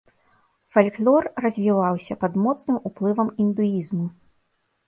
Фальклор развіваўся пад моцным уплывам індуізму.